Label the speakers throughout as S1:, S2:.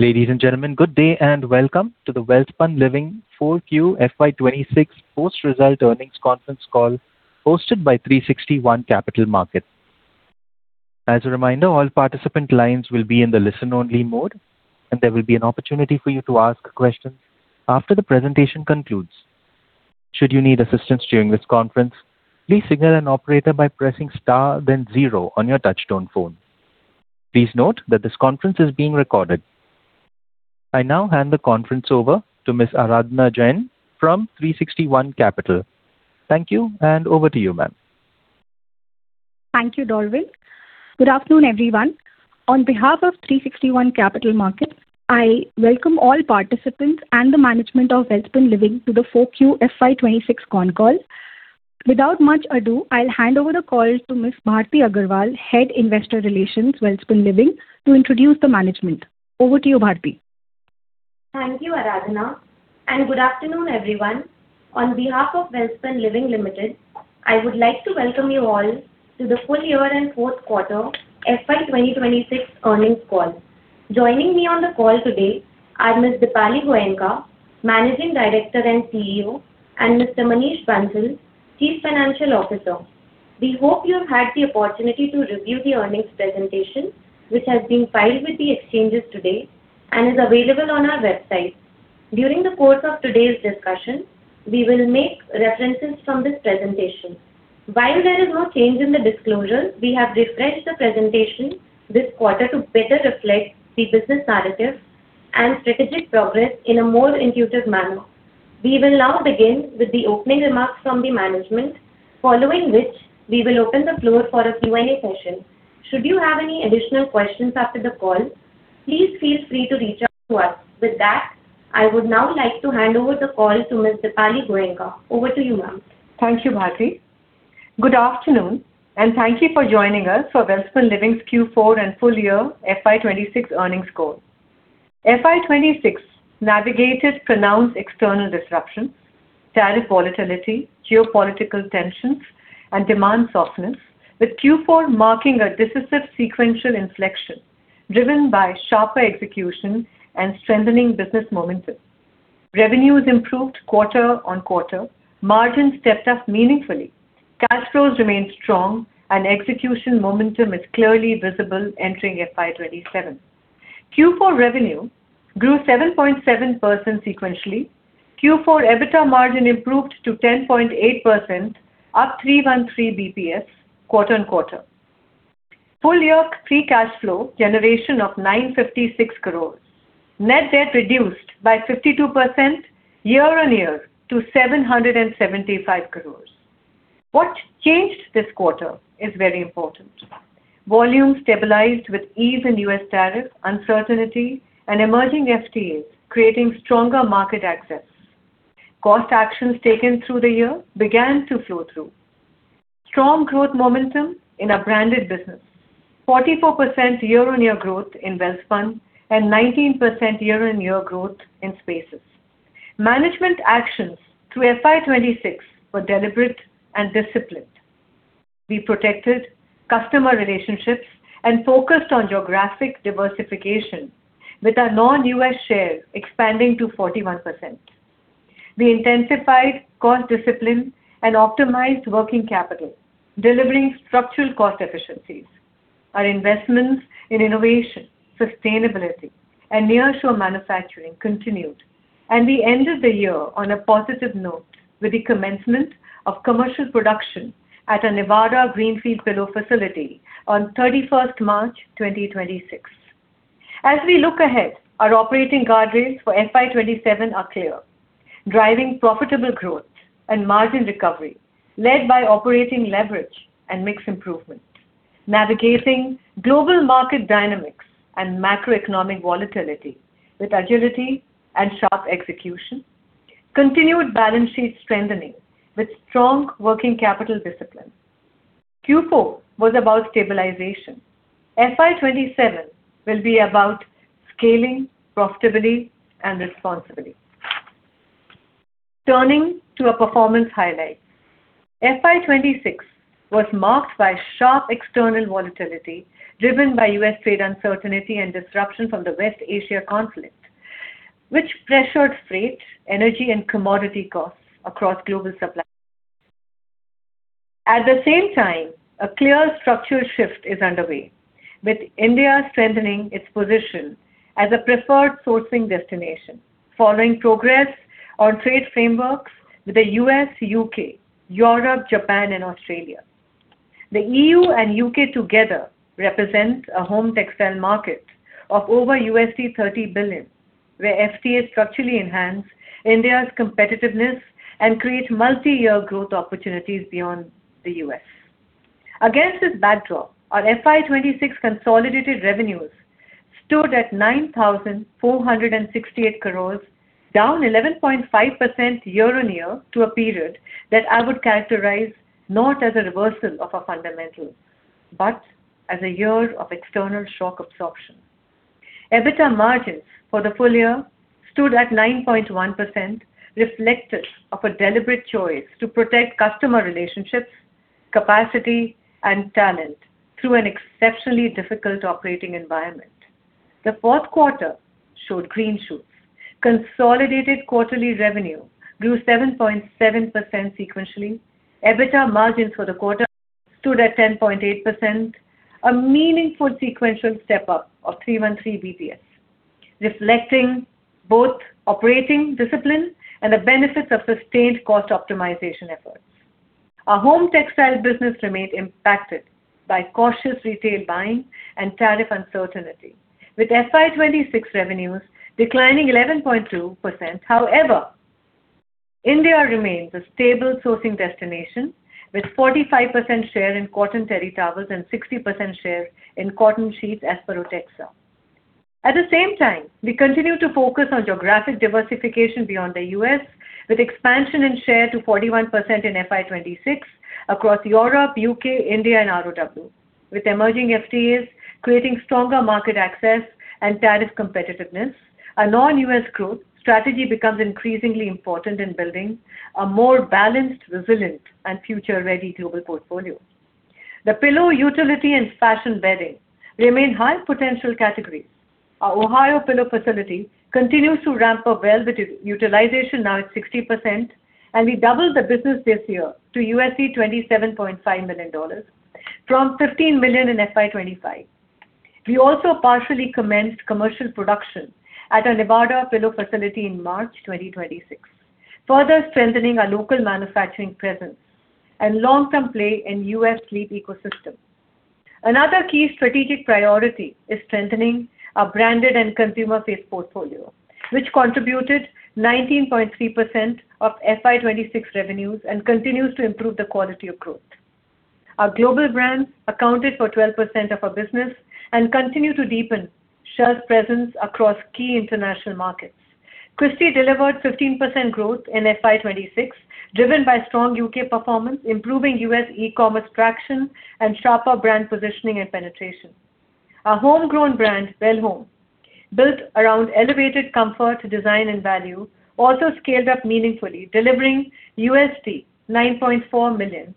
S1: Ladies and gentlemen, good day and welcome to the Welspun Living 4Q FY 2026 post-result earnings conference call hosted by 360 ONE Capital Market. As a reminder all participants lines will be in listen only mode and there will be an opportunity for you to ask questions after the presentation concludes. Should you need assistance during this conference, please signal an operator by pressing star then zero on your touch-tone phone. Please note that this conference is being recorded. I now hand the conference over to Ms. Aradhana Jain from 360 ONE Capital. Thank you, and over to you, ma'am.
S2: Thank you, Darwin. Good afternoon, everyone. On behalf of 360 ONE Capital Market, I welcome all participants and the management of Welspun Living to the 4Q FY 2026 con call. Without much ado, I'll hand over the call to Ms. Bharti Agarwal, Head Investor Relations, Welspun Living, to introduce the management. Over to you, Bharti.
S3: Thank you, Aradhana. Good afternoon, everyone. On behalf of Welspun Living Limited, I would like to welcome you all to the full year and fourth quarter FY 2026 earnings call. Joining me on the call today are Ms. Dipali Goenka, Managing Director and CEO, and Mr. Manish Bansal, Chief Financial Officer. We hope you have had the opportunity to review the earnings presentation, which has been filed with the exchanges today and is available on our website. During the course of today's discussion, we will make references from this presentation. While there is no change in the disclosure, we have refreshed the presentation this quarter to better reflect the business narrative and strategic progress in a more intuitive manner. We will now begin with the opening remarks from the management, following which we will open the floor for a Q&A session. Should you have any additional questions after the call, please feel free to reach out to us. With that, I would now like to hand over the call to Ms. Dipali Goenka. Over to you, ma'am.
S4: Thank you, Bharti. Good afternoon, and thank you for joining us for Welspun Living's Q4 and full year FY 2026 earnings call. FY 2026 navigated pronounced external disruptions, tariff volatility, geopolitical tensions, and demand softness with Q4 marking a decisive sequential inflection driven by sharper execution and strengthening business momentum. Revenues improved quarter-on-quarter. Margins stepped up meaningfully. Cash flows remained strong and execution momentum is clearly visible entering FY 2027. Q4 revenue grew 7.7% sequentially. Q4 EBITDA margin improved to 10.8%, up 313 bps quarter-on-quarter. Full year free cash flow generation of 956 crore. Net debt reduced by 52% year-on-year to 775 crore. What changed this quarter is very important. Volume stabilized with ease in U.S. tariff uncertainty and emerging FTAs creating stronger market access. Cost actions taken through the year began to flow through. Strong growth momentum in our branded business. 44% year-over-year growth in Welspun and 19% year-over-year growth in Spaces. Management actions through FY 2026 were deliberate and disciplined. We protected customer relationships and focused on geographic diversification with our non-U.S. share expanding to 41%. We intensified cost discipline and optimized working capital, delivering structural cost efficiencies. Our investments in innovation, sustainability, and nearshore manufacturing continued. W e ended the year on a positive note with the commencement of commercial production at our Nevada greenfield pillow facility on 31st March 2026. As we look ahead, our operating guardrails for FY 2027 are clear, driving profitable growth and margin recovery led by operating leverage and mix improvement. Navigating global market dynamics and macroeconomic volatility with agility and sharp execution. Continued balance sheet strengthening with strong working capital discipline. Q4 was about stabilization. FY 2027 will be about scaling, profitability, and responsibility. Turning to our performance highlights. FY 2026 was marked by sharp external volatility driven by U.S. trade uncertainty and disruption from the West Asia conflict, which pressured freight, energy, and commodity costs across global supply. At the same time, a clear structural shift is underway with India strengthening its position as a preferred sourcing destination following progress on trade frameworks with the U.S., U.K., Europe, Japan, and Australia. The EU and U.K. together represent a home textile market of over $30 billion, where FTA structurally enhance India's competitiveness and create multi-year growth opportunities beyond the U.S.. Against this backdrop, our FY 2026 consolidated revenues stood at 9,468 crore, down 11.5% year-on-year to a period that I would characterize not as a reversal of our fundamentals, but as a year of external shock absorption. EBITDA margins for the full year stood at 9.1% reflective of a deliberate choice to protect customer relationships, capacity, and talent through an exceptionally difficult operating environment. The fourth quarter showed green shoots. Consolidated quarterly revenue grew 7.7% sequentially. EBITDA margins for the quarter stood at 10.8%, a meaningful sequential step-up of 313 bps, reflecting both operating discipline and the benefits of sustained cost optimization efforts. Our home textile business remained impacted by cautious retail buying and tariff uncertainty, with FY 2026 revenues declining 11.2%. However, India remains a stable sourcing destination with 45% share in cotton terry towels and 60% share in cotton sheets as per OTEXA. At the same time, we continue to focus on geographic diversification beyond the U.S. with expansion in share to 41% in FY 2026 across Europe, U.K., India and ROW. With emerging FTAs creating stronger market access and tariff competitiveness, our non-U.S. growth strategy becomes increasingly important in building a more balanced, resilient and future-ready global portfolio. The pillow, utility, and fashion bedding remain high potential categories. Our Ohio pillow facility continues to ramp up well, with utilization now at 60%, and we doubled the business this year to $27.5 million from $15 million in FY 2025. We also partially commenced commercial production at our Nevada pillow facility in March 2026, further strengthening our local manufacturing presence and long-term play in U.S. sleep ecosystem. Another key strategic priority is strengthening our branded and consumer-faced portfolio, which contributed 19.3% of FY 2026 revenues and continues to improve the quality of growth. Our global brands accounted for 12% of our business and continue to deepen shares presence across key international markets. Christy delivered 15% growth in FY 2026, driven by strong U.K. performance, improving U.S. e-commerce traction, and sharper brand positioning and penetration. Our homegrown brand, Welhome, built around elevated comfort, design, and value, also scaled up meaningfully, delivering $9.4 million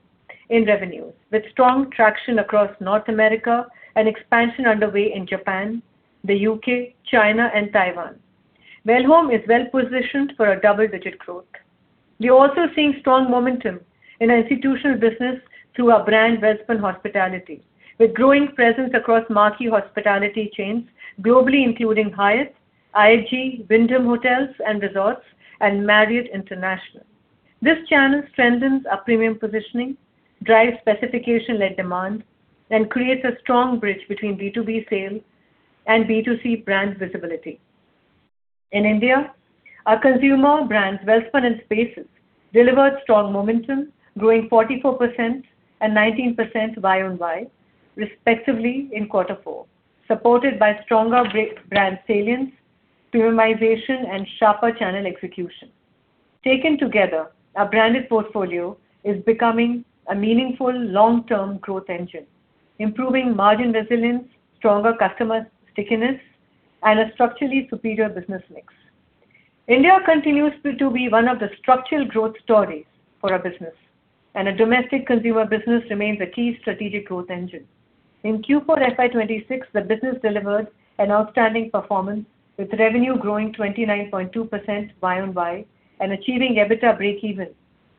S4: in revenues. With strong traction across North America and expansion underway in Japan, the U.K., China, and Taiwan, Welhome is well-positioned for a double-digit growth. We're also seeing strong momentum in our institutional business through our brand Welspun Hospitality, with growing presence across marquee hospitality chains globally, including Hyatt, IHG, Wyndham Hotels & Resorts, and Marriott International. This channel strengthens our premium positioning, drives specification-led demand, and creates a strong bridge between B2B sales and B2C brand visibility. In India, our consumer brands, Welspun and Spaces, delivered strong momentum, growing 44% and 19% year-over-year, respectively, in quarter four, supported by stronger brand salience, premiumization, and sharper channel execution. Taken together, our branded portfolio is becoming a meaningful long-term growth engine, improving margin resilience, stronger customer stickiness, and a structurally superior business mix. India continues to be one of the structural growth stories for our business, and our domestic consumer business remains a key strategic growth engine. In Q4 FY 2026, the business delivered an outstanding performance, with revenue growing 29.2% Y-on-Y and achieving EBITDA breakeven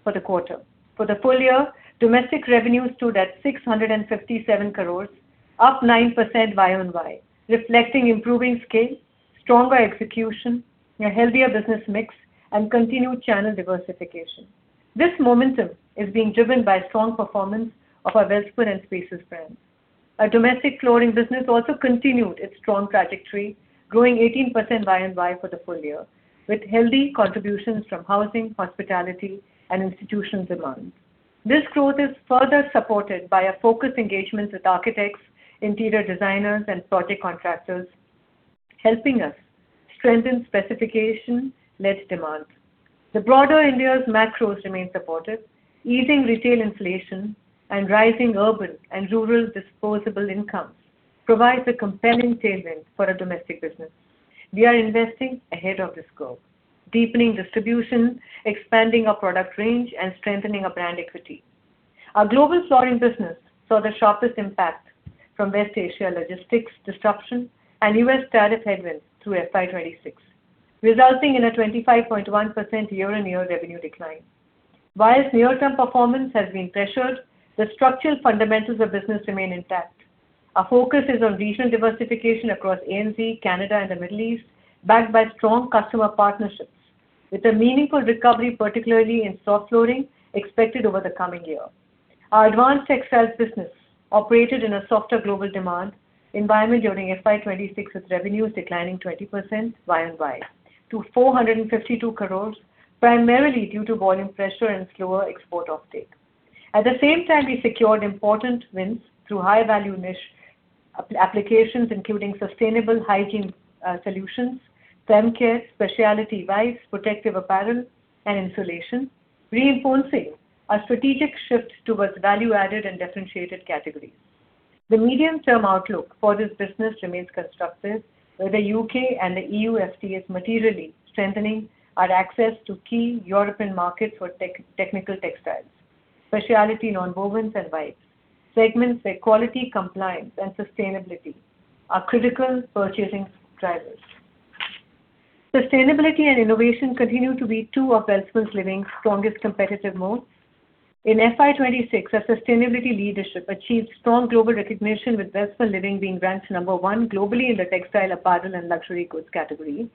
S4: for the quarter. For the full year, domestic revenue stood at 657 crore, up 9% Y-on-Y, reflecting improving scale, stronger execution, a healthier business mix, and continued channel diversification. This momentum is being driven by strong performance of our Welspun and Spaces brands. Our domestic flooring business also continued its strong trajectory, growing 18% Y-on-Y for the full year, with healthy contributions from housing, hospitality, and institutions demands. This growth is further supported by our focused engagements with architects, interior designers, and project contractors, helping us strengthen specification-led demand. The broader India's macros remain supportive. Easing retail inflation and rising urban and rural disposable incomes provides a compelling tailwind for our domestic business. We are investing ahead of this growth, deepening distribution, expanding our product range, and strengthening our brand equity. Our global flooring business saw the sharpest impact from West Asia logistics disruption and U.S. tariff headwinds through FY 2026, resulting in a 25.1% year-on-year revenue decline. Near-term performance has been pressured, the structural fundamentals of business remain intact. Our focus is on regional diversification across ANZ, Canada, and the Middle East, backed by strong customer partnerships with a meaningful recovery, particularly in soft flooring expected over the coming year. Our advanced textiles business operated in a softer global demand environment during FY 2026, with revenues declining 20% Y-o-Y to 452 crore, primarily due to volume pressure and slower export offtake. At the same time, we secured important wins through high-value niche applications, including sustainable hygiene solutions, femcare, specialty wipes, protective apparel, and insulation, reinforcing our strategic shift towards value-added and differentiated categories. The medium-term outlook for this business remains constructive, with the U.K. and the E.U. FTA materially strengthening our access to key European markets for tech-technical textiles, specialty nonwovens and wipes, segments where quality, compliance, and sustainability are critical purchasing drivers. Sustainability and innovation continue to be two of Welspun Living's strongest competitive modes. In FY 2026, our sustainability leadership achieved strong global recognition, with Welspun Living being ranked number one globally in the textile, apparel, and luxury goods category.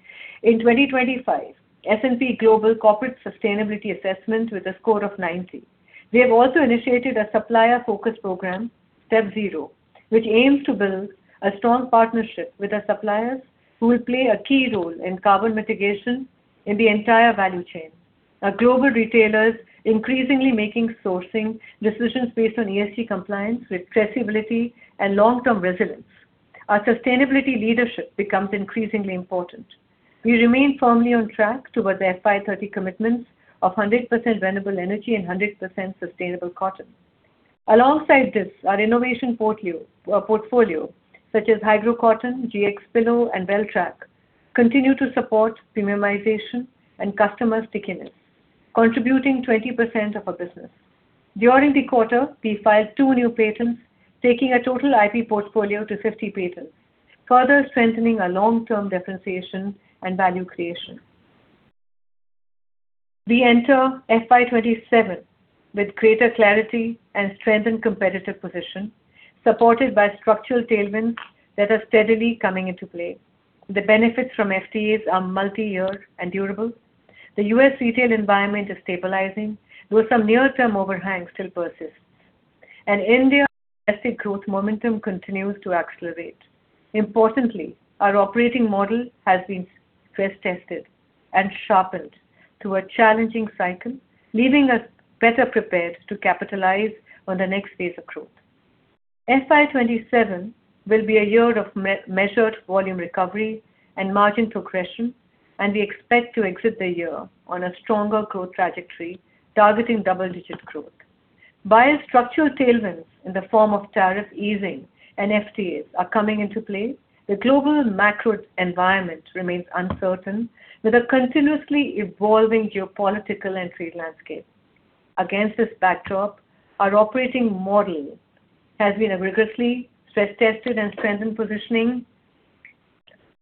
S4: In 2025, S&P Global Corporate Sustainability Assessment with a score of 90. We have also initiated a supplier-focused program, Step Zero, which aims to build a strong partnership with our suppliers who will play a key role in carbon mitigation in the entire value chain. Our global retailers increasingly making sourcing decisions based on ESG compliance, traceability, and long-term resilience. Our sustainability leadership becomes increasingly important. We remain firmly on track towards the FY 2030 commitments of 100% renewable energy and 100% sustainable cotton. Alongside this, our innovation portfolio, such as HydroCotton, GX Pillow, and Wel-Trak, continue to support premiumization and customer stickiness, contributing 20% of our business. During the quarter, we filed two new patents, taking our total IP portfolio to 50 patents, further strengthening our long-term differentiation and value creation. We enter FY 2027 with greater clarity and strengthened competitive position, supported by structural tailwinds that are steadily coming into play. The benefits from FTAs are multi-year and durable. The U.S. retail environment is stabilizing, though some near-term overhang still persists. India domestic growth momentum continues to accelerate. Importantly, our operating model has been stress-tested and sharpened through a challenging cycle, leaving us better prepared to capitalize on the next phase of growth. FY 2027 will be a year of measured volume recovery and margin progression, and we expect to exit the year on a stronger growth trajectory, targeting double-digit growth. While structural tailwinds in the form of tariff easing and FTAs are coming into play, the global macro environment remains uncertain, with a continuously evolving geopolitical and trade landscape. Against this backdrop, our operating model has been rigorously stress-tested and strengthened positioning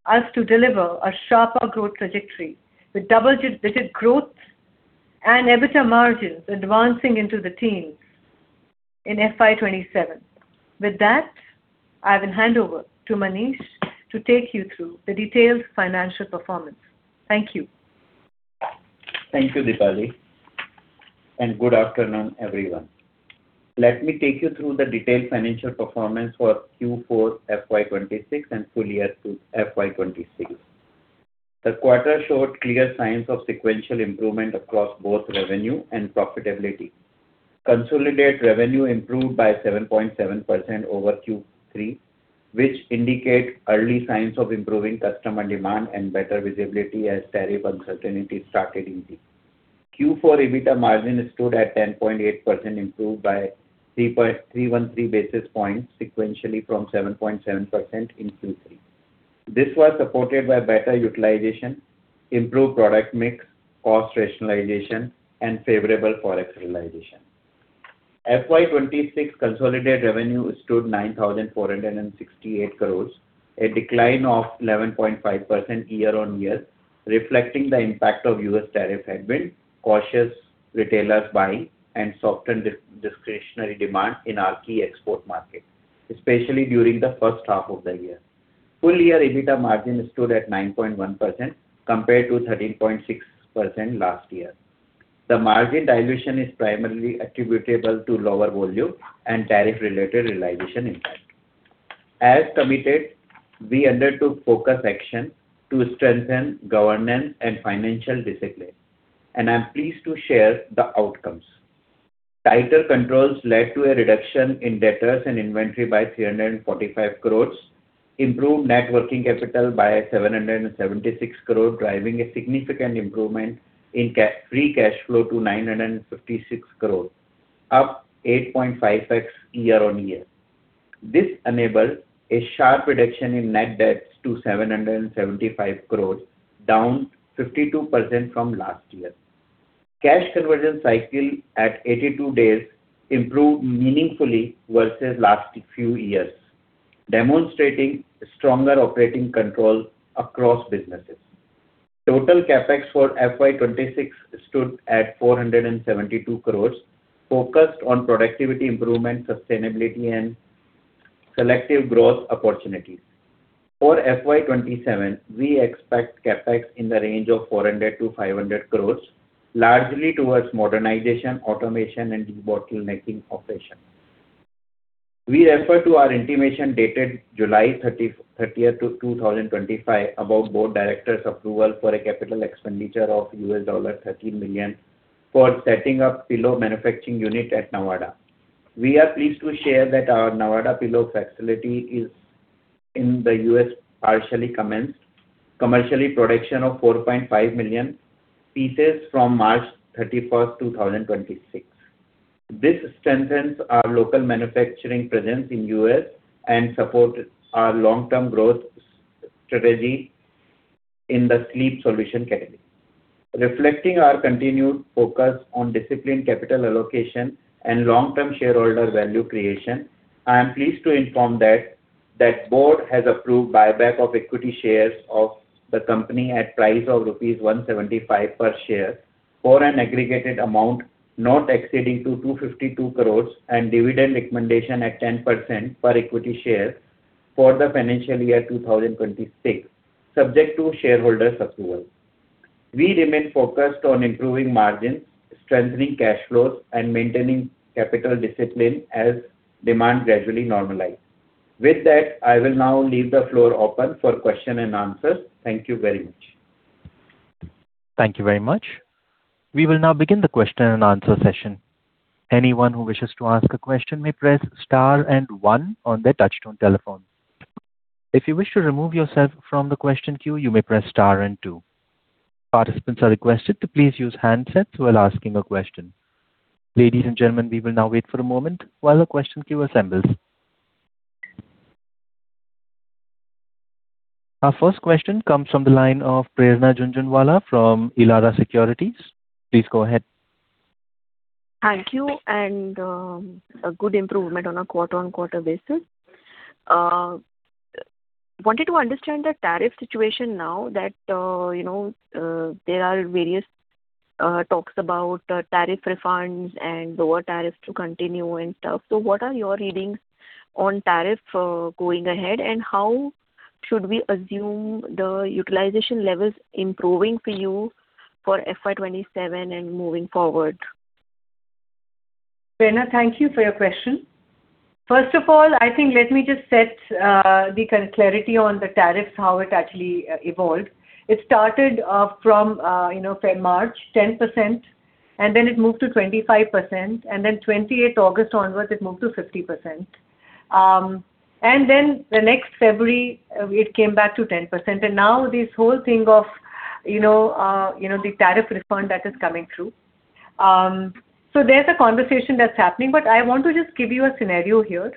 S4: us to deliver a sharper growth trajectory with double-digit growth and EBITDA margins advancing into the teens in FY 2027. With that, I will hand over to Manish to take you through the detailed financial performance. Thank you.
S5: Thank you, Dipali, good afternoon, everyone. Let me take you through the detailed financial performance for Q4 FY 2026 and full year FY 2026. The quarter showed clear signs of sequential improvement across both revenue and profitability. Consolidated revenue improved by 7.7% over Q3, which indicates early signs of improving customer demand and better visibility as tariff uncertainty started easing. Q4 EBITDA margin stood at 10.8%, improved by 313 basis points sequentially from 7.7% in Q3. This was supported by better utilization, improved product mix, cost rationalization, and favorable forex realization. FY 2026 consolidated revenue stood 9,468 crore, a decline of 11.5% year-on-year, reflecting the impact of U.S. tariff headwind, cautious retailers buying, and softened discretionary demand in our key export markets, especially during the first half of the year. Full year EBITDA margin stood at 9.1% compared to 13.6% last year. The margin dilution is primarily attributable to lower volume and tariff-related realization impact. As committed, we undertook focused action to strengthen governance and financial discipline, and I'm pleased to share the outcomes. Tighter controls led to a reduction in debtors and inventory by 345 crore, improved net working capital by 776 crore, driving a significant improvement in free cash flow to 956 crore, up 8.5x year-on-year. This enabled a sharp reduction in net debts to 775 crore, down 52% from last year. Cash conversion cycle at 82 days improved meaningfully versus last few years, demonstrating stronger operating control across businesses. Total CapEx for FY 2026 stood at 472 crore, focused on productivity improvement, sustainability, and selective growth opportunities. For FY 2027, we expect CapEx in the range of 400 crore-500 crore, largely towards modernization, automation and debottlenecking operations. We refer to our intimation dated July 30th, 2025 about board directors' approval for a capital expenditure of $13 million for setting up pillow manufacturing unit at Nevada. We are pleased to share that our Nevada pillow facility is in the U.S. partially commenced commercially production of 4.5 million pieces from March 31st, 2026. This strengthens our local manufacturing presence in U.S. and support our long-term growth strategy in the sleep solution category. Reflecting our continued focus on disciplined capital allocation and long-term shareholder value creation, I am pleased to inform that board has approved buyback of equity shares of the company at price of rupees 175 per share for an aggregated amount not exceeding to 252 crore and dividend recommendation at 10% per equity share for the financial year 2026, subject to shareholder's approval. We remain focused on improving margins, strengthening cash flows, and maintaining capital discipline as demand gradually normalize. With that, I will now leave the floor open for question and answers. Thank you very much.
S1: Thank you very much. We will now begin our question and answer session. Anyone who wishes to ask a question can press star and one on the touchdown telephone, if you wish to remove yourself from the question queue you may press star and two. Participants are requested to please use handsets when asking questions. Ladies and gentlemen please wait for a moment while the question queue assembles. Our first question comes from the line of Prerna Jhunjhunwala from Elara Securities. Please go ahead.
S6: Thank you, a good improvement on a quarter-on-quarter basis. Wanted to understand the tariff situation now that, you know, there are various talks about tariff refunds and lower tariff to continue and stuff. What are your readings on tariff going ahead, and how should we assume the utilization levels improving for you for FY 2027 and moving forward?
S4: Prerna, thank you for your question. First of all, I think let me just set the clarity on the tariffs, how it actually evolved. It started from, you know, say March, 10%, and then it moved to 25%, and then 28th August onwards it moved to 50%. The next February, it came back to 10%. Now, this whole thing of, you know, you know, the tariff refund that is coming through. There's a conversation that's happening, but I want to just give you a scenario here.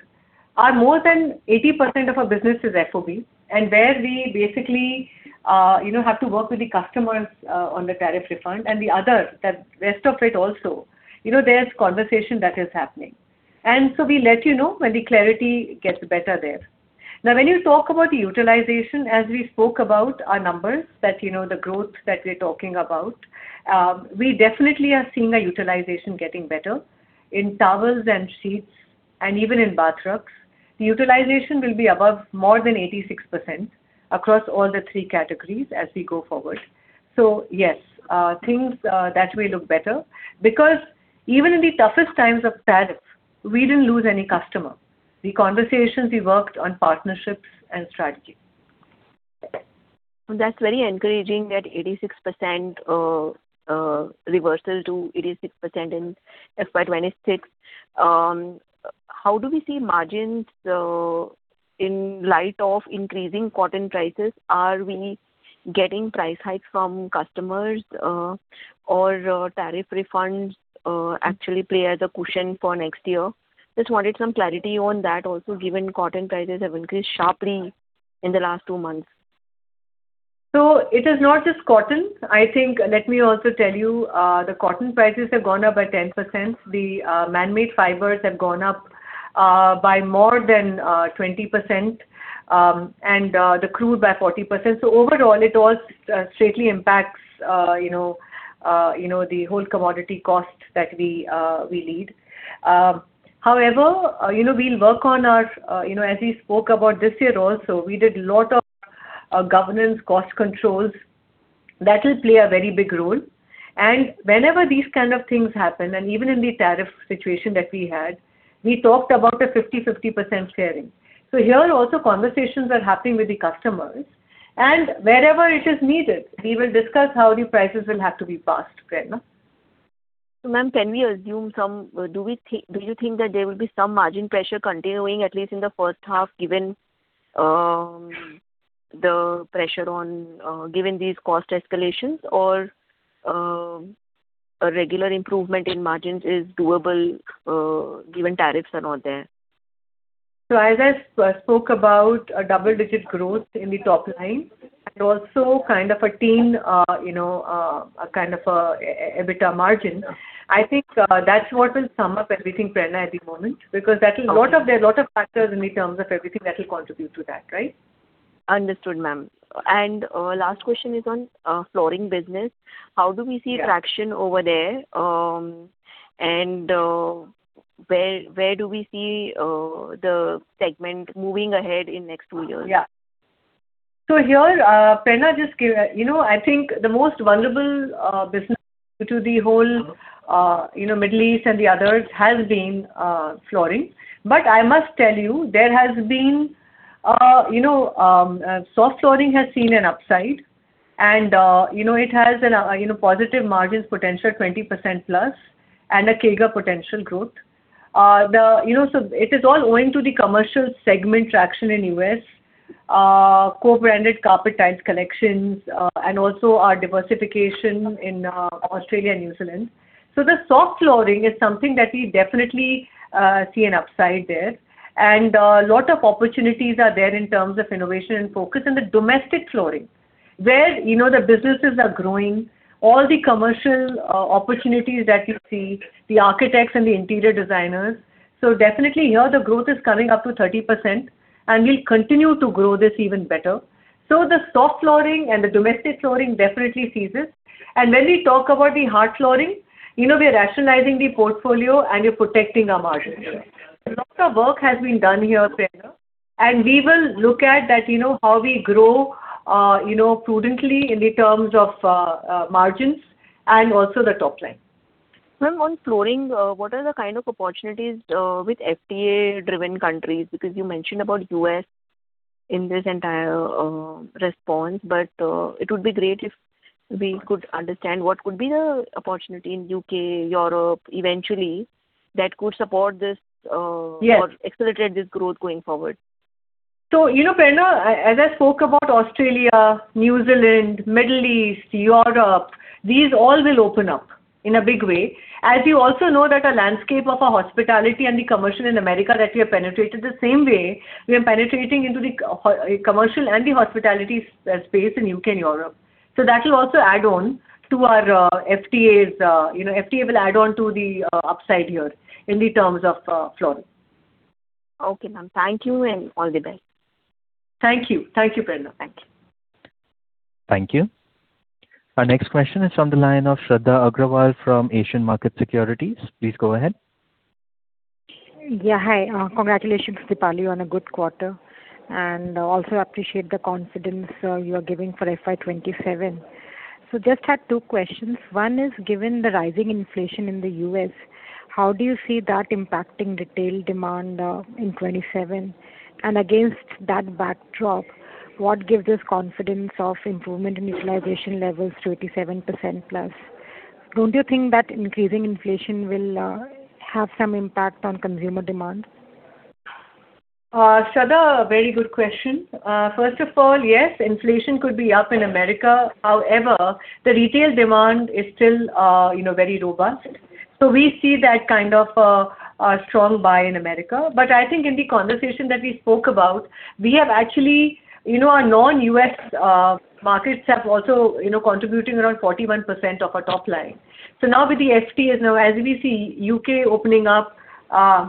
S4: Our more than 80% of our business is FOB, and where we basically, you know, have to work with the customers on the tariff refund and the other, the rest of it also, you know, there's conversation that is happening. We let you know when the clarity gets better there. Now, when you talk about the utilization, as we spoke about our numbers that, you know, the growth that we're talking about, we definitely are seeing a utilization getting better in towels and sheets and even in bathrobes. The utilization will be above more than 86% across all the three categories as we go forward. Yes, things that way look better because even in the toughest times of tariff, we didn't lose any customer. The conversations we worked on partnerships and strategy.
S6: That's very encouraging that 86% reversal to 86% in FY 2026. How do we see margins in light of increasing cotton prices? Are we getting price hikes from customers or tariff refunds actually play as a cushion for next year? Just wanted some clarity on that also, given cotton prices have increased sharply in the last two months.
S4: It is not just cotton. I think let me also tell you, the cotton prices have gone up by 10%. The man-made fibers have gone up by more than 20%, and the crude by 40%. Overall, it all straightly impacts, you know, the whole commodity cost that we need. However, we'll work on our, as we spoke about this year also, we did lot of governance cost controls. That will play a very big role. Whenever these kind of things happen, and even in the tariff situation that we had, we talked about a 50/50 percent sharing. Here also conversations are happening with the customers, and wherever it is needed, we will discuss how the prices will have to be passed, Prerna.
S6: Ma'am, Do you think that there will be some margin pressure continuing at least in the first half, given these cost escalations? A regular improvement in margins is doable, given tariffs are not there?
S4: As I spoke about a double-digit growth in the top line and also kind of a teen, you know, a kind of a EBITDA margin, I think, that's what will sum up everything, Prerna, at the moment.
S6: Okay.
S4: There are a lot of factors in the terms of everything that will contribute to that, right?
S6: Understood, ma'am. Last question is on flooring business.
S4: Yeah.
S6: How do we see traction over there? Where do we see the segment moving ahead in next two years?
S4: Yeah. Here, Prerna, You know, I think the most vulnerable business to the whole, you know, Middle East and the others has been flooring. I must tell you, there has been, you know, soft flooring has seen an upside. You know, it has an, you know, positive margins potential 20% plus and a CAGR potential growth. You know, it is all owing to the commercial segment traction in U.S. co-branded carpet tiles collections, and also our diversification in Australia and New Zealand. The soft flooring is something that we definitely see an upside there. A lot of opportunities are there in terms of innovation and focus. The domestic flooring, where, you know, the businesses are growing, all the commercial opportunities that you see, the architects and the interior designers. Definitely here the growth is coming up to 30%, and we'll continue to grow this even better. The soft flooring and the domestic flooring definitely sees this. When we talk about the hard flooring, you know, we are rationalizing the portfolio and we're protecting our margins. A lot of work has been done here, Prerna, and we will look at that, you know, how we grow, you know, prudently in the terms of margins and also the top line.
S6: Ma'am, on flooring, what are the kind of opportunities with FTA-driven countries? You mentioned about U.S. in this entire response, it would be great if we could understand what could be the opportunity in U.K., Europe eventually that could support this?
S4: Yes.
S6: accelerate this growth going forward.
S4: You know, Prerna, as I spoke about Australia, New Zealand, Middle East, Europe, these all will open up in a big way. As you also know that our landscape of our hospitality and the commercial in America that we have penetrated, the same way we are penetrating into the commercial and the hospitality space in U.K. and Europe. That will also add on to our FTAs. You know, FTA will add on to the upside here in the terms of flooring.
S6: Okay, ma'am. Thank you and all the best.
S4: Thank you. Thank you, Prerna. Thank you.
S1: Thank you. Our next question is from the line of Shraddha Agrawal from Asian Markets Securities. Please go ahead.
S7: Yeah, hi. Congratulations, Dipali, on a good quarter and also appreciate the confidence you are giving for FY 2027. Just had two questions. One is, given the rising inflation in the U.S., how do you see that impacting retail demand in 2027? Against that backdrop, what gives us confidence of improvement in utilization levels to 87% plus? Don't you think that increasing inflation will have some impact on consumer demand?
S4: Shraddha, very good question. First of all, yes, inflation could be up in the U.S. However, the retail demand is still, you know, very robust. We see that kind of a strong buy in America. I think in the conversation that we spoke about, we have actually, you know, our non-U.S. markets have also, you know, contributing around 41% of our top line. Now with the FTAs, now as we see U.K. opening up,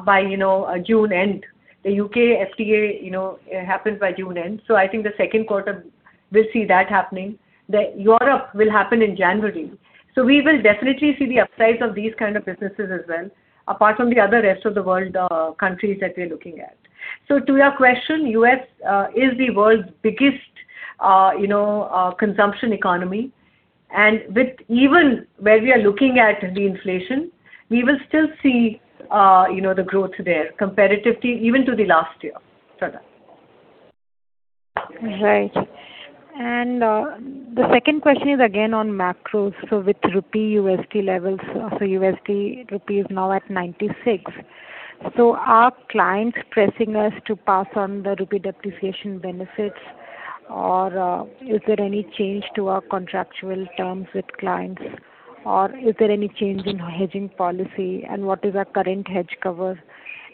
S4: by, you know, June end, the U.K. FTA, you know, it happens by June end, so I think the second quarter we'll see that happening. The Europe will happen in January. We will definitely see the upsides of these kind of businesses as well, apart from the other rest of the world countries that we're looking at. To your question, U.S. is the world's biggest, you know, consumption economy. With even where we are looking at the inflation, we will still see, you know, the growth there comparatively even to the last year, Shraddha.
S7: Right. The second question is again on macros. With rupee-USD levels, USD rupee is now at 96. Are clients pressing us to pass on the rupee depreciation benefits or is there any change to our contractual terms with clients or is there any change in hedging policy and what is our current hedge cover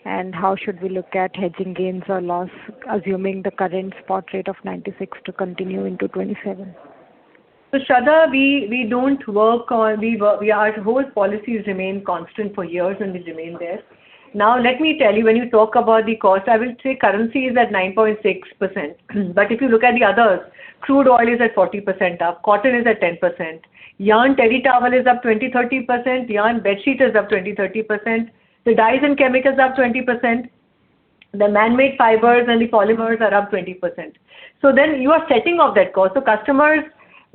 S7: and how should we look at hedging gains or loss assuming the current spot rate of 96 to continue into 2027?
S4: Shraddha, our whole policies remain constant for years, and will remain there. Let me tell you, when you talk about the cost, I will say currency is at 9.6%. If you look at the others, crude oil is at 40% up, cotton is at 10%, yarn terry towel is up 20%, 30%, yarn bedsheet is up 20%,30%. The dyes and chemicals are up 20%. The manmade fibers and the polymers are up 20%. You are setting off that cost. Customers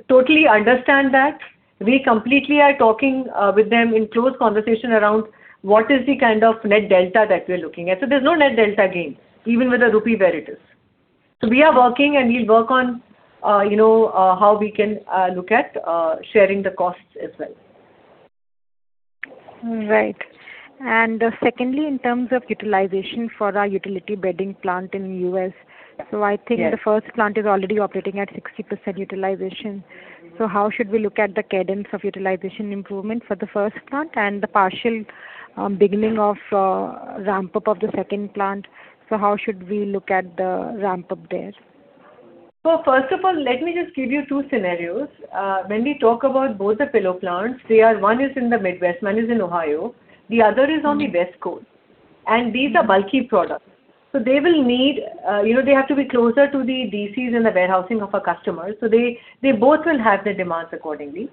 S4: totally understand that. We completely are talking with them in close conversation around what is the kind of net delta that we're looking at. There's no net delta gain even with the rupee where it is. We are working and we'll work on, you know, how we can look at sharing the costs as well.
S7: Right. Secondly, in terms of utilization for our utility bedding plant in U.S.
S4: Yes.
S7: The first plant is already operating at 60% utilization. How should we look at the cadence of utilization improvement for the first plant and the partial beginning of ramp-up of the second plant? How should we look at the ramp-up there?
S4: First of all, let me just give you two scenarios. When we talk about both the pillow plants, they are one is in the Midwest. One is in Ohio, the other is on the West Coast. These are bulky products. They will need, you know, they have to be closer to the DCs and the warehousing of our customers. They both will have the demands accordingly.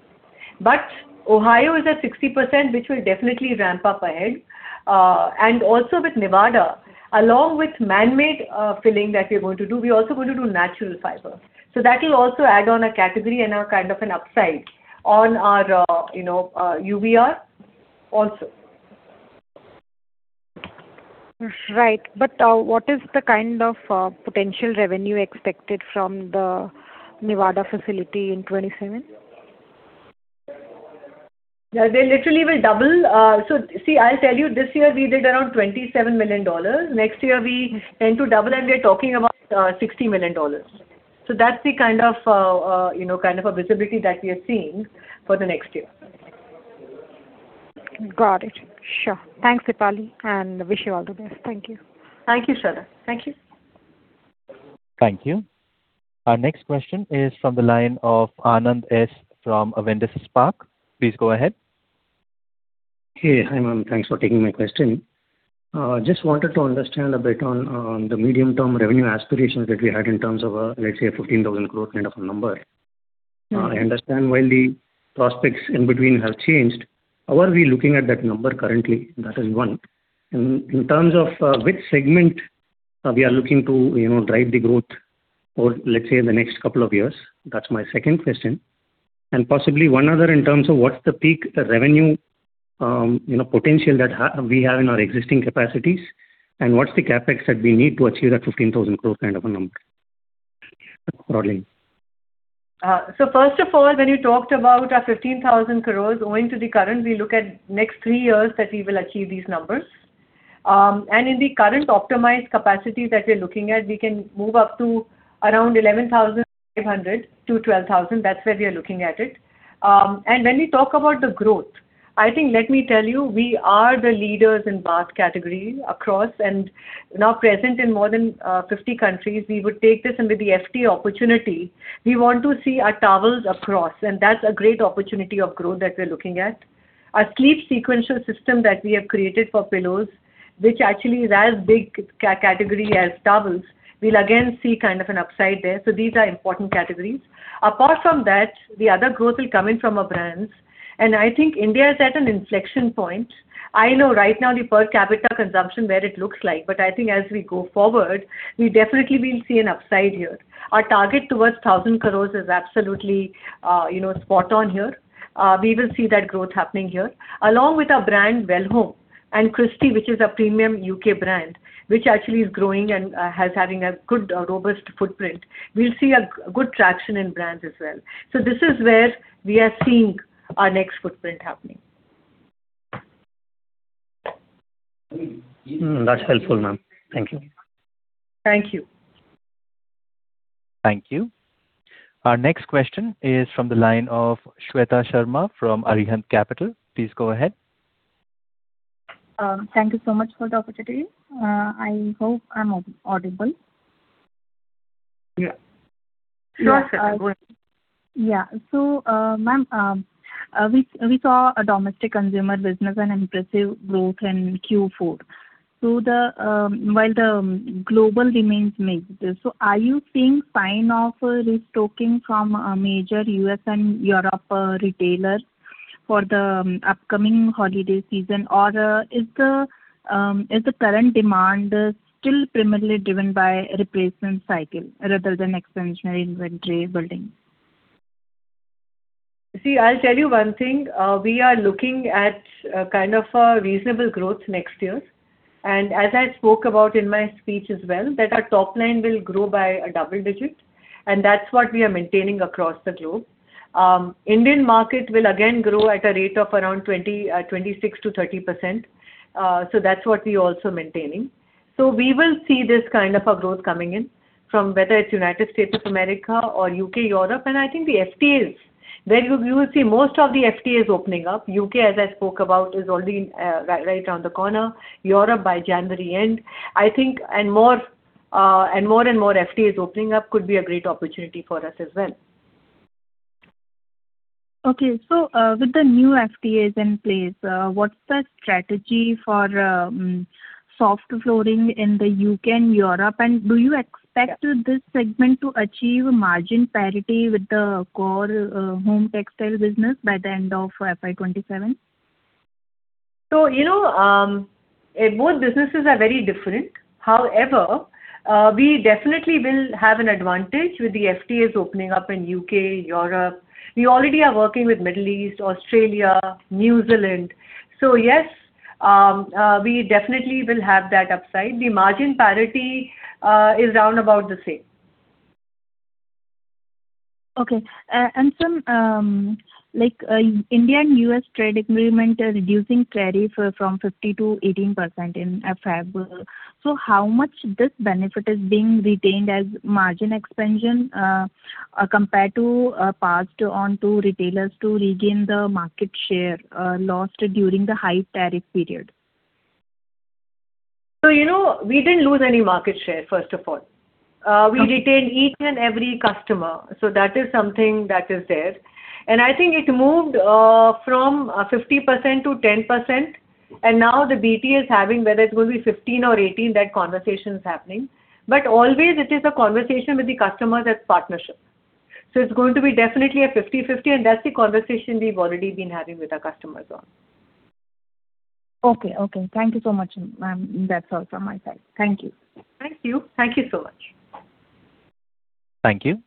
S4: Ohio is at 60%, which will definitely ramp up ahead. Also with Nevada, along with manmade filling that we're going to do, we're also going to do natural fiber. That will also add on a category and a kind of an upside on our, you know, UBR also.
S7: Right. What is the kind of potential revenue expected from the Nevada facility in 2027?
S4: Yeah, they literally will double. I'll tell you, this year we did around $27 million. Next year we tend to double, and we are talking about $60 million. That's the kind of, you know, kind of a visibility that we are seeing for the next year.
S7: Got it. Sure. Thanks, Dipali, and wish you all the best. Thank you.
S4: Thank you, Shraddha. Thank you.
S1: Thank you. Our next question is from the line of Anand S. from Avendus Spark. Please go ahead.
S8: Hey. Hi, ma'am. Thanks for taking my question. Just wanted to understand a bit on the medium-term revenue aspirations that we had in terms of, let's say an 15,000 crore kind of a number. I understand why the prospects in between have changed. How are we looking at that number currently? That is one. In terms of which segment we are looking to, you know, drive the growth for, let's say in the next couple of years. That's my second question. Possibly one other in terms of what's the peak revenue, you know, potential that we have in our existing capacities, and what's the CapEx that we need to achieve that 15,000 crore kind of a number? Broadly.
S4: First of all, when you talked about our 15,000 crore owing to the current, we look at next three years that we will achieve these numbers. In the current optimized capacity that we're looking at, we can move up to around 11,500-12,000. That's where we are looking at it. When we talk about the growth, I think, let me tell you, we are the leaders in bath category across and now present in more than 50 countries. We would take this and with the FTA opportunity, we want to see our towels across, and that's a great opportunity of growth that we're looking at. Our sleep sequential system that we have created for pillows, which actually is as big category as towels, we'll again see kind of an upside there. These are important categories. The other growth will come in from our brands. I think India is at an inflection point. I know right now the per capita consumption where it looks like, I think as we go forward, we definitely will see an upside here. Our target towards 1,000 crore is absolutely, you know, spot on here. We will see that growth happening here. Along with our brand Welhome and Christy, which is a premium U.K. brand, which actually is growing and has having a good robust footprint. We'll see a good traction in brands as well. This is where we are seeing our next footprint happening.
S8: That's helpful, ma'am. Thank you.
S4: Thank you.
S1: Thank you. Our next question is from the line of Shweta Sharma from Arihant Capital. Please go ahead.
S9: Thank you so much for the opportunity. I hope I'm audible.
S4: Yeah. Yeah, go ahead.
S9: Yeah. Ma'am, we saw a domestic consumer business, an impressive growth in Q4. While the global remains mixed, are you seeing signs of restocking from major U.S. and Europe retailers for the upcoming holiday season? Is the current demand still primarily driven by replacement cycle rather than expansionary inventory building?
S4: See, I'll tell you one thing. We are looking at kind of a reasonable growth next year. As I spoke about in my speech as well, that our top line will grow by a double-digit, and that's what we are maintaining across the globe. Indian market will again grow at a rate of around 26%-30%. That's what we're also maintaining. We will see this kind of a growth coming in from whether it's United States of America or U.K., Europe. I think the FTAs. There you will see most of the FTAs opening up. U.K., as I spoke about, is already right around the corner. Europe by January end. I think more and more FTAs opening up could be a great opportunity for us as well.
S9: Okay. With the new FTAs in place, what's the strategy for soft flooring in the U.K. and Europe? Do you expect this segment to achieve margin parity with the core home textile business by the end of FY 2027?
S4: You know, both businesses are very different. However, we definitely will have an advantage with the FTAs opening up in U.K., Europe. We already are working with Middle East, Australia, New Zealand so yes, we definitely will have that upside. The margin parity is round about the same.
S9: Okay. From India and U.S. trade agreement are reducing tariff from 50%-18% in February. How much this benefit is being retained as margin expansion compared to passed on to retailers to regain the market share lost during the high tariff period?
S4: You know, we didn't lose any market share, first of all. We retained each and every customer, so that is something that is there. I think it moved from 50%-10%. Now the BT is having whether it's going to be 15% or 18%, that conversation is happening. Always it is a conversation with the customers as partnership. It's going to be definitely a 50/50, and that's the conversation we've already been having with our customers on.
S9: Okay. Okay. Thank you so much, ma'am. That's all from my side. Thank you.
S4: Thank you. Thank you so much.
S1: Thank you.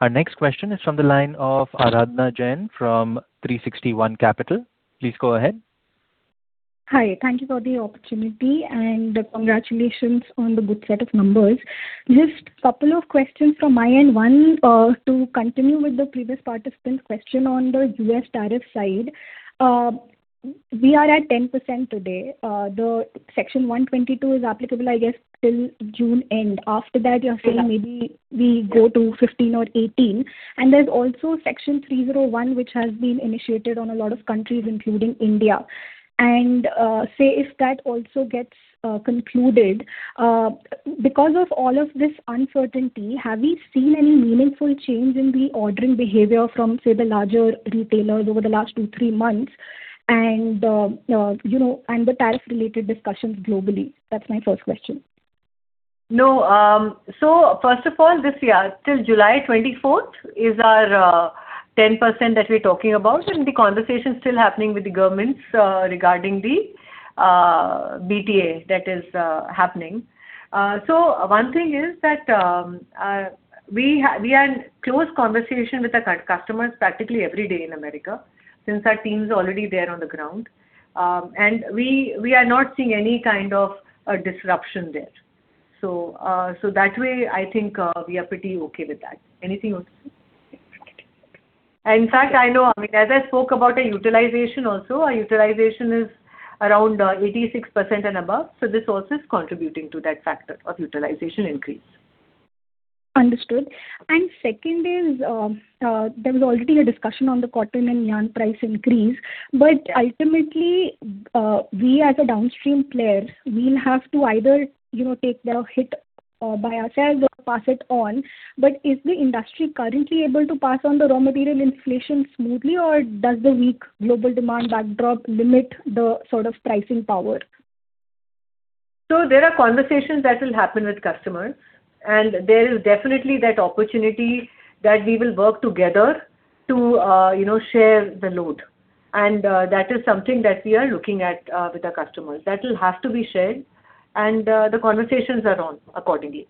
S1: Our next question is from the line of Aradhana Jain from 360 ONE. Please go ahead.
S2: Hi. Thank you for the opportunity, and congratulations on the good set of numbers. Just couple of questions from my end. One, to continue with the previous participant's question on the U.S. tariff side. We are at 10% today. The Section 122 is applicable, I guess, till June end. After that, you're saying maybe we go to 15% or 18%. There's also Section 301, which has been initiated on a lot of countries, including India. Say, if that also gets concluded, because of all of this uncertainty, have we seen any meaningful change in the ordering behavior from, say, the larger retailers over the last two, three months and, you know, and the tariff-related discussions globally? That's my first question.
S4: No. First of all, this year till July 24th is our 10% that we're talking about, and the conversation's still happening with the governments regarding the BTA that is happening. One thing is that we are in close conversation with the customers practically every day in America since our team's already there on the ground. We, we are not seeing any kind of a disruption there. That way I think we are pretty okay with that. Anything else? In fact, I know, I mean, as I spoke about our utilization also, our utilization is around 86% and above, so this also is contributing to that factor of utilization increase.
S2: Understood. Second is, there was already a discussion on the cotton and yarn price increase. Ultimately, we as a downstream player, we'll have to either, you know, take the hit, by ourselves or pass it on. Is the industry currently able to pass on the raw material inflation smoothly, or does the weak global demand backdrop limit the sort of pricing power?
S4: There are conversations that will happen with customers, and there is definitely that opportunity that we will work together to, you know, share the load. That is something that we are looking at with our customers. That will have to be shared, and the conversations are on accordingly.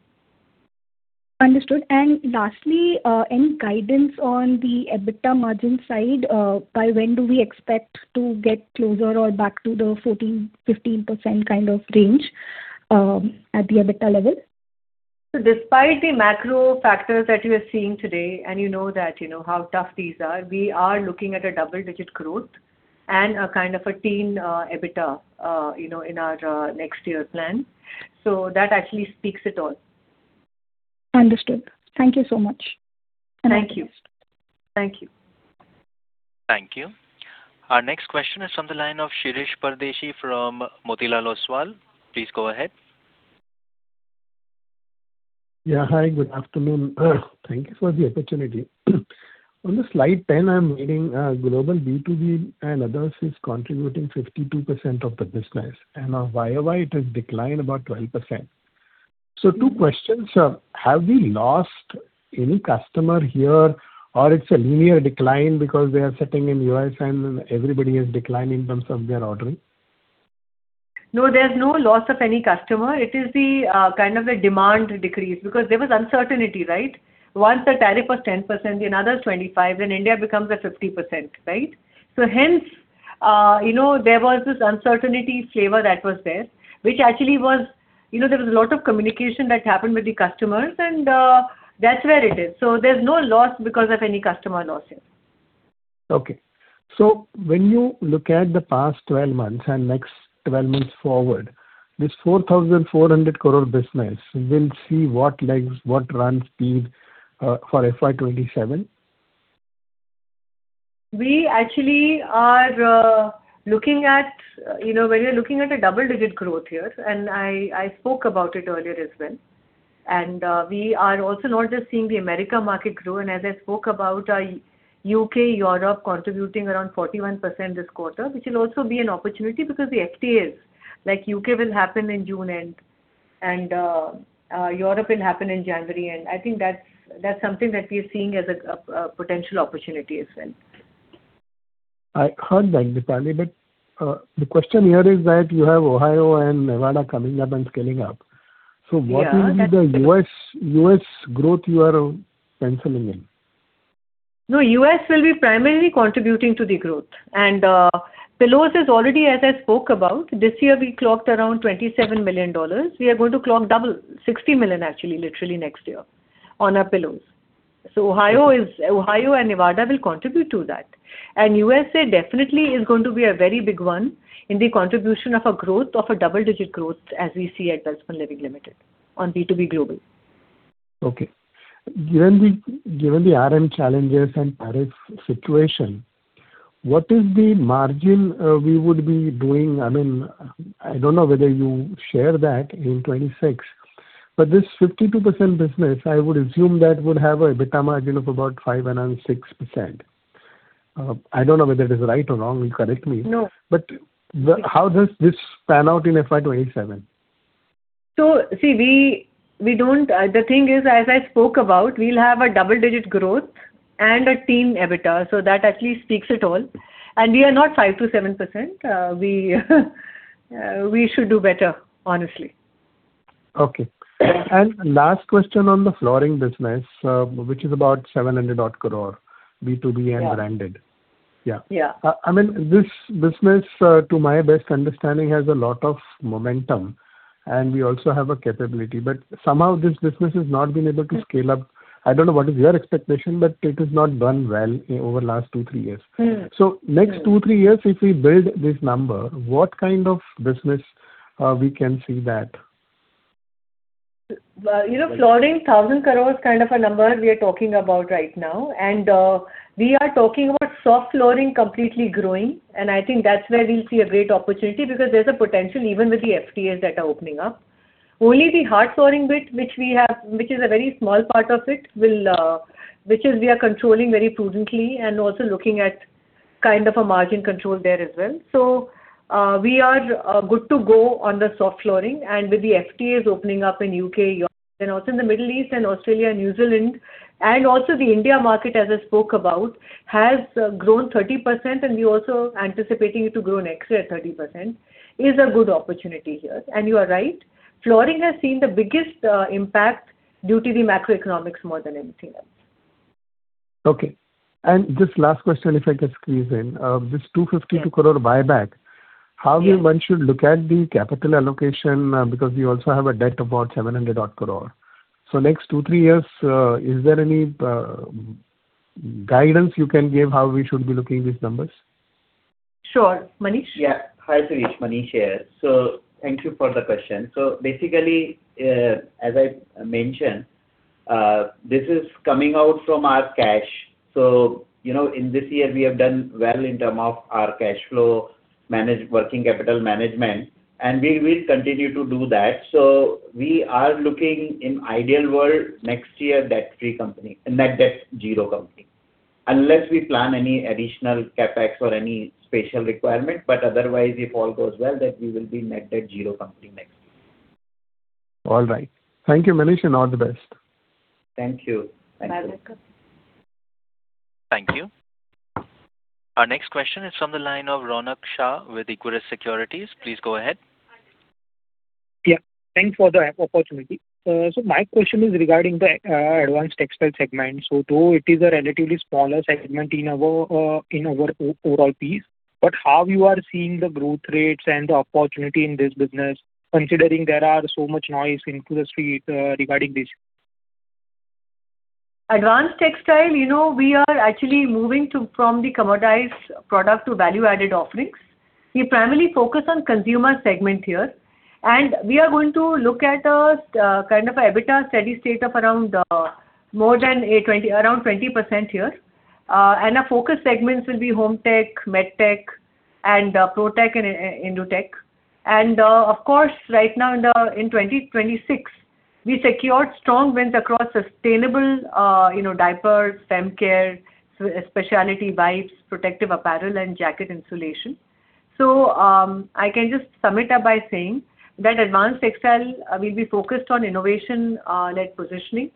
S2: Understood. Lastly, any guidance on the EBITDA margin side? By when do we expect to get closer or back to the 14%, 15% kind of range at the EBITDA level?
S4: Despite the macro factors that you are seeing today, and you know that, you know how tough these are, we are looking at a double-digit growth and a kind of a teen EBITDA, you know, in our next year's plan. That actually speaks it all.
S2: Understood. Thank you so much.
S4: Thank you. Thank you.
S1: Thank you. Our next question is from the line of Shirish Pardeshi from Motilal Oswal. Please go ahead.
S10: Yeah. Hi, good afternoon. Thank you for the opportunity. On the slide 10, I'm reading, global B2B and others is contributing 52% of the business. Now Y-on-Y it has declined about 12%. so two questions, have we lost any customer here, or it's a linear decline because they are sitting in U.S. and everybody is declining in terms of their ordering?
S4: No, there's no loss of any customer. It is the kind of a demand decrease because there was uncertainty, right? Once the tariff was 10%, the another 25%, then India becomes a 50%, right? Hence, you know, there was this uncertainty flavor that was there, which actually was, you know, there was a lot of communication that happened with the customers and that's where it is. There's no loss because of any customer losses.
S10: Okay. When you look at the past 12 months and next 12 months forward, this 4,400 crore business will see what legs, what run speed, for FY 2027?
S4: We actually are looking at, you know, when you're looking at a double-digit growth here, and I spoke about it earlier as well. We are also not just seeing the America market grow. As I spoke about our U.K., Europe contributing around 41% this quarter, which will also be an opportunity because the FTA is. Like U.K. will happen in June end and Europe will happen in January end. I think that's something that we are seeing as a potential opportunity as well.
S10: I heard that, Dipali, but the question here is that you have Ohio and Nevada coming up and scaling up.
S4: Yeah.
S10: What will be the U.S. growth you are penciling in?
S4: No, U.S. will be primarily contributing to the growth. Pillows is already, as I spoke about, this year we clocked around $27 million. We are going to clock double, $60 million actually, literally next year on our pillows. Ohio and Nevada will contribute to that. USA definitely is going to be a very big one in the contribution of a growth, of a double-digit growth as we see at Welspun Living Limited on B2B global.
S10: Okay. Given the RM challenges and tariff situation, what is the margin we would be doing? I mean, I don't know whether you share that in 2026. This 52% business, I would assume that would have a EBITDA margin of about 5% and 6%. I don't know whether it is right or wrong. Correct me.
S4: No.
S10: How does this pan out in FY 2027?
S4: See, the thing is, as I spoke about, we'll have a double-digit growth and a teen EBITDA, so that at least speaks it all. We are not 5%-7%. We should do better, honestly.
S10: Okay. Last question on the flooring business, which is about 700 odd crore, B2B and branded.
S4: Yeah.
S10: Yeah.
S4: Yeah.
S10: I mean, this business, to my best understanding, has a lot of momentum, and we also have a capability. Somehow this business has not been able to scale up. I don't know what is your expectation, it has not done well over last two, three years. Next two, three years, if we build this number, what kind of business we can see that?
S4: Well, you know, flooring, 1,000 crore kind of a number we are talking about right now. We are talking about soft flooring completely growing. I think that's where we'll see a great opportunity because there's a potential even with the FTAs that are opening up. Only the hard flooring bit which we have, which is a very small part of it, we are controlling very prudently and also looking at kind of a margin control there as well. We are good to go on the soft flooring and with the FTAs opening up in U.K., Europe and also in the Middle East and Australia, New Zealand, and also the India market, as I spoke about, has grown 30% and we're also anticipating it to grow next year at 30%, is a good opportunity here. You are right, flooring has seen the biggest impact due to the macroeconomics more than anything else.
S10: Okay. Just last question, if I could squeeze in. This 252 crore buyback-
S4: Yes.
S10: -how one should look at the capital allocation, because we also have a debt of about 700 odd crore. Next two, three years, is there any guidance you can give how we should be looking these numbers?
S4: Sure. Manish?
S5: Hi, Shirish. Manish here. Thank you for the question. Basically, as I mentioned, this is coming out from our cash. You know, in this year we have done well in terms of our cash flow manage working capital management, and we will continue to do that. We are looking, in ideal world, next year, debt-free company. A net debt zero company. Unless we plan any additional CapEx or any special requirement, but otherwise if all goes well, then we will be net debt zero company next year.
S10: All right. Thank you, Manish, and all the best.
S5: Thank you. Thank you.
S4: Welcome.
S1: Thank you. Our next question is from the line of Ronak Shah with Equirus Securities. Please go ahead.
S11: Yeah. Thanks for the opportunity. My question is regarding the advanced textile segment. Though it is a relatively smaller segment in our overall piece, but how you are seeing the growth rates and the opportunity in this business, considering there is so much noise in the street regarding this?
S4: Advanced textiles, you know, we are actually moving from the commoditized product to value-added offerings. We primarily focus on consumer segment here, and we are going to look at a kind of a EBITDA steady state of around 20% here. Our focus segments will be hometech, medtech and protech and indutech. Of course right now in 2026, we secured strong wins across sustainable, you know, diapers, femcare, speciality wipes, protective apparel and jacket insulation. I can just sum it up by saying that advanced textiles will be focused on innovation led positioning.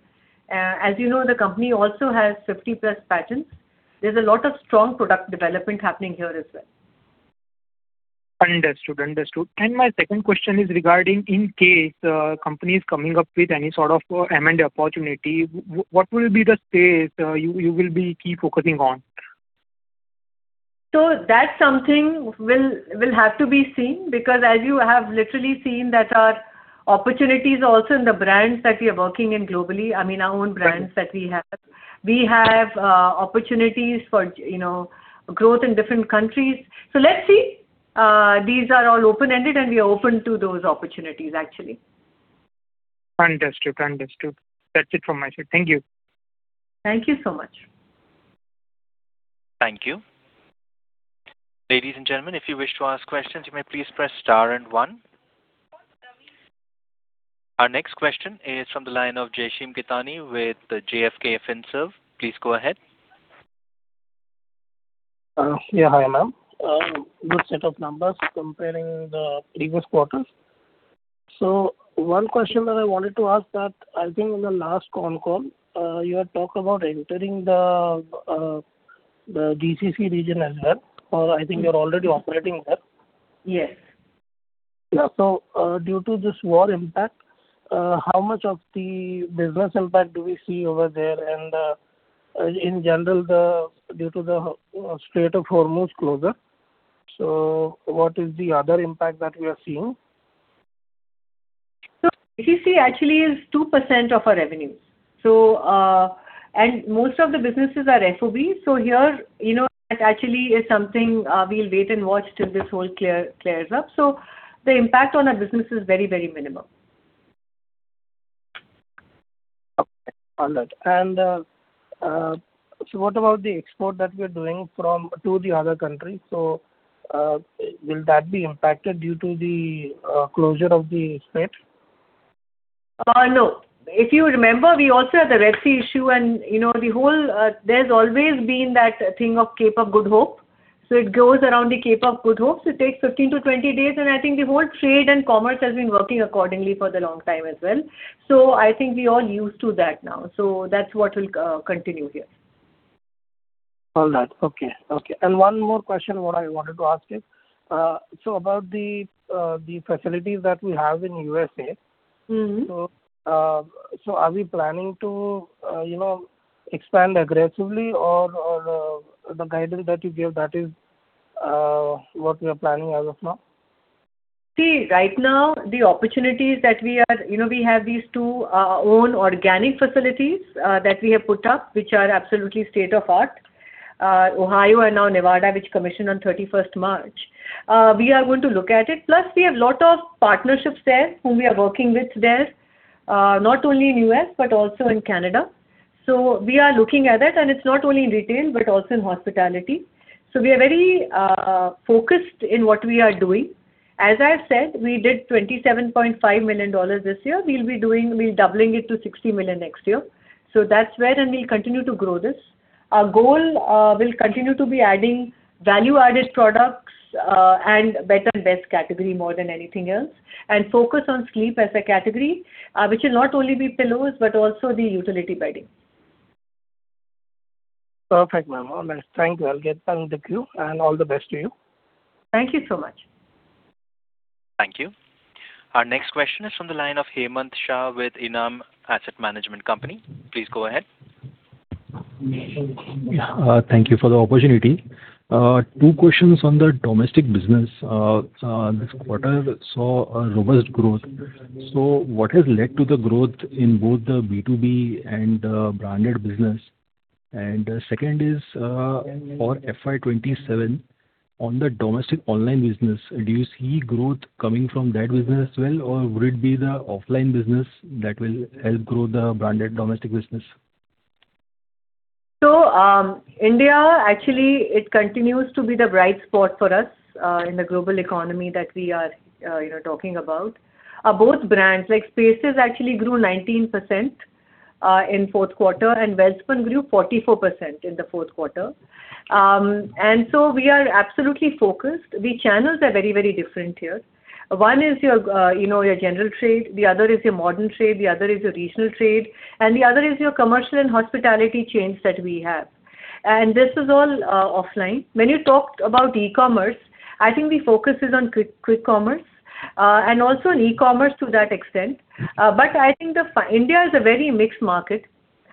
S4: As you know, the company also has 50-plus patents. There's a lot of strong product development happening here as well.
S11: Understood. Understood. My second question is regarding in case, company is coming up with any sort of M&A opportunity, what will be the space, you will be keep focusing on?
S4: That's something we'll have to be seen, because as you have literally seen that our opportunities also in the brands that we are working in globally, I mean our own brands that we have. We have opportunities for, you know, growth in different countries. Let's see. These are all open-ended, and we are open to those opportunities, actually.
S11: Understood. Understood. That's it from my side. Thank you.
S4: Thank you so much.
S1: Thank you. Ladies and gentlemen, if you wish to ask questions, you may please press star and one. Our next question is from the line of. [inaudible] Please go ahead.
S12: Yeah. Hi, ma'am. Good set of numbers comparing the previous quarters. One question that I wanted to ask that, I think in the last con call, you had talked about entering the GCC region as well, or I think you're already operating there.
S4: Yes.
S12: Yeah. Due to this war impact, how much of the business impact do we see over there? In general, due to the Strait of Hormuz closure, so what is the other impact that we are seeing?
S4: GCC actually is 2% of our revenue. Most of the businesses are FOB. Here, you know, that actually is something, we'll wait and watch till this whole clears up. The impact on our business is very, very minimal.
S12: Okay. Got that. What about the export that we're doing from to the other countries? Will that be impacted due to the closure of the strait?
S4: No. If you remember, we also had the Red Sea issue and, you know, the whole, there's always been that thing of Cape of Good Hope. It goes around the Cape of Good Hope, so it takes 15 to 20 days, and I think the whole trade and commerce has been working accordingly for the long time as well. I think we're all used to that now. That's what will continue here.
S12: All right. Okay. Okay. One more question what I wanted to ask is, so about the facilities that we have in USA. Are we planning to, you know, expand aggressively or, the guidance that you gave that is what we are planning as of now?
S4: Right now the opportunities that we are You know, we have these two own organic facilities that we have put up, which are absolutely state-of-art. Ohio and now Nevada, which commissioned on 31st March. We are going to look at it. Plus we have lot of partnerships there whom we are working with there, not only in U.S., but also in Canada. We are looking at it, and it's not only in retail, but also in hospitality. We are very focused in what we are doing. As I've said, we did $27.5 million this year. We're doubling it to $60 million next year. That's where, and we'll continue to grow this. Our goal will continue to be adding value-added products, and better and best category more than anything else, and focus on sleep as a category, which will not only be pillows but also the utility bedding.
S12: Perfect, ma'am. Thank you. I'll get on the queue, and all the best to you.
S4: Thank you so much.
S1: Thank you. Our next question is from the line of Hemant Shah with Enam Asset Management Company. Please go ahead.
S13: Yeah. Thank you for the opportunity. Two questions on the domestic business. This quarter saw a robust growth. What has led to the growth in both the B2B and branded business? Second is, for FY 2027, on the domestic online business, do you see growth coming from that business as well? Or would it be the offline business that will help grow the branded domestic business?
S4: India, actually, it continues to be the bright spot for us in the global economy that we are, you know, talking about. Both brands. Like, Spaces actually grew 19% in fourth quarter, and Welspun grew 44% in the fourth quarter. We are absolutely focused. The channels are very, very different here. One is your, you know, your general trade, the other is your modern trade, the other is your regional trade, and the other is your commercial and hospitality chains that we have. This is all offline. When you talked about e-commerce, I think the focus is on quick commerce and also in e-commerce to that extent. I think the India is a very mixed market.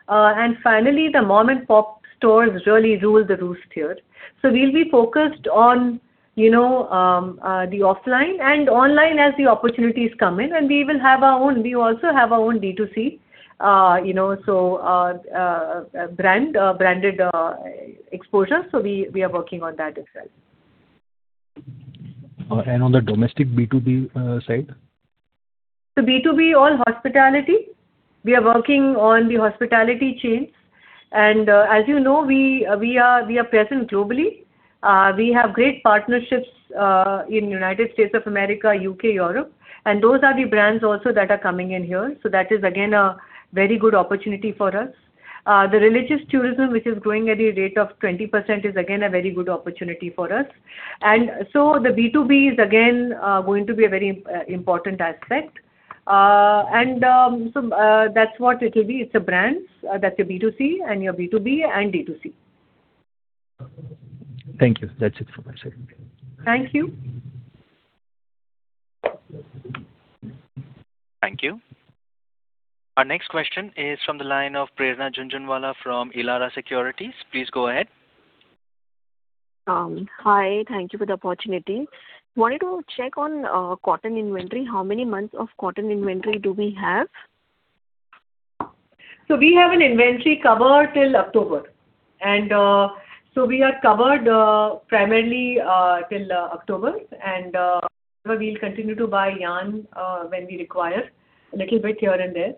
S4: Finally the mom-and-pop stores really rule the roost here. We'll be focused on, you know, the offline and online as the opportunities come in, and we will have our own. We also have our own D2C, you know, so, brand, branded, exposure. We are working on that as well.
S13: On the domestic B2B side?
S4: B2B, all hospitality. We are working on the hospitality chains. As you know, we are present globally. We have great partnerships in United States of America, UK, Europe, and those are the brands also that are coming in here. That is again a very good opportunity for us. The religious tourism, which is growing at a rate of 20%, is again a very good opportunity for us. The B2B is again going to be a very important aspect. That's what it will be. It's the brands. That's your B2C and your B2B and D2C.
S13: Thank you. That's it for my side.
S4: Thank you.
S1: Thank you. Our next question is from the line of Prerna Jhunjhunwala from Elara Securities. Please go ahead.
S6: Hi. Thank you for the opportunity. Wanted to check on cotton inventory. How many months of cotton inventory do we have?
S4: We have an inventory cover till October. We are covered, primarily, till October. We'll continue to buy yarn when we require, a little bit here and there.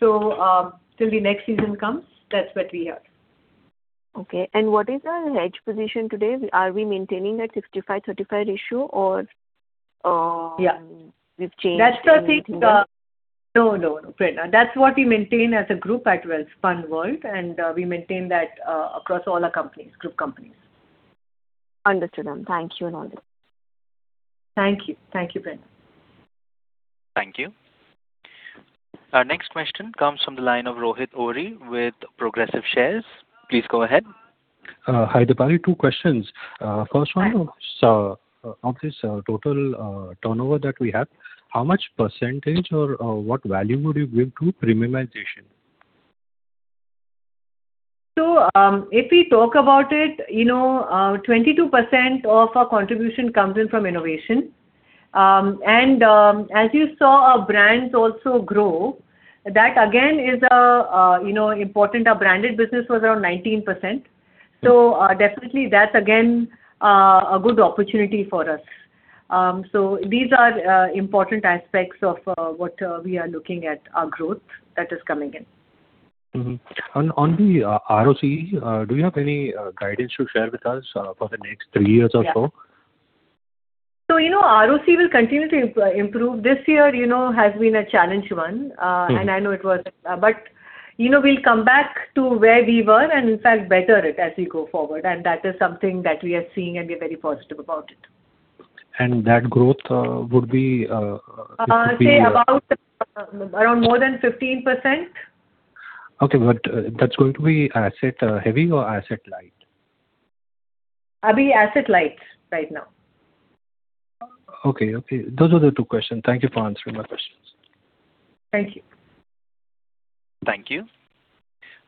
S4: Till the next season comes, that's what we have.
S6: Okay. What is our hedge position today? Are we maintaining that 65/35 ratio or?
S4: Yeah
S6: we've changed and moved on?
S4: That's the thing. No, no, Prerna. That's what we maintain as a group at Welspun World. We maintain that across all our companies, group companies.
S6: Understood, ma'am. Thank you and all the best.
S4: Thank you. Thank you, Prerna.
S1: Thank you. Our next question comes from the line of Rohit Ohri with Progressive Shares. Please go ahead.
S14: Hi, Dipali. Two questions.
S4: Hi
S14: Of this, total turnover that we have, how much percentage or, what value would you give to premiumization?
S4: If we talk about it, you know, 22% of our contribution comes in from innovation. As you saw our brands also grow, that again is a, you know, important. Our branded business was around 19%. Definitely that's again a good opportunity for us. These are important aspects of what we are looking at our growth that is coming in.
S14: Mm-hmm. On the ROC, do you have any guidance to share with us for the next three years or so?
S4: Yeah. You know, ROC will continue to improve. This year, you know, has been a challenge one. I know it was, but, you know, we'll come back to where we were and in fact better it as we go forward, and that is something that we are seeing, and we are very positive about it.
S14: That growth, would be, could be.
S4: Say about, around more than 15%.
S14: Okay. That's going to be asset heavy or asset light?
S4: [inaudible] asset light right now.
S14: Okay, okay. Those were the two questions. Thank you for answering my questions.
S4: Thank you.
S1: Thank you.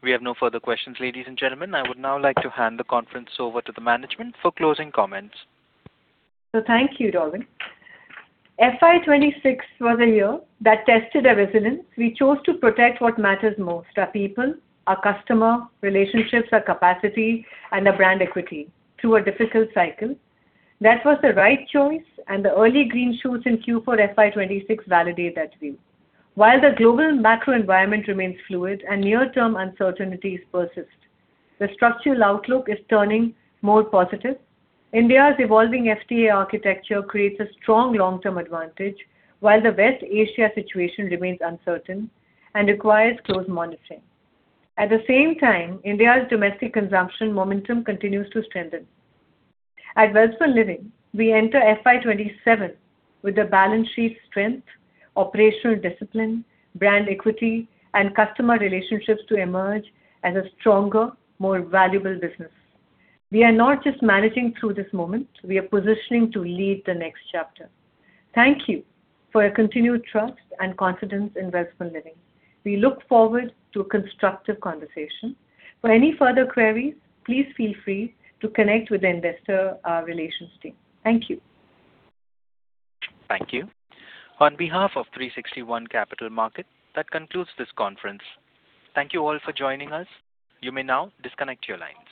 S1: We have no further questions, ladies and gentlemen. I would now like to hand the conference over to the management for closing comments.
S4: Thank you, Robin. FY 2026 was a year that tested our resilience. We chose to protect what matters most, our people, our customer relationships, our capacity, and our brand equity through a difficult cycle. That was the right choice, and the early green shoots in Q4 FY 2026 validate that view. While the global macro environment remains fluid and near-term uncertainties persist, the structural outlook is turning more positive. India's evolving FTA architecture creates a strong long-term advantage, while the West Asia situation remains uncertain and requires close monitoring. At the same time, India's domestic consumption momentum continues to strengthen. At Welspun Living, we enter FY 2027 with a balance sheet strength, operational discipline, brand equity, and customer relationships to emerge as a stronger, more valuable business. We are not just managing through this moment, we are positioning to lead the next chapter. Thank you for your continued trust and confidence in Welspun Living. We look forward to a constructive conversation. For any further queries, please feel free to connect with the investor relations team. Thank you.
S1: Thank you. On behalf of 360 ONE Capital Market, that concludes this conference. Thank you all for joining us. You may now disconnect your lines.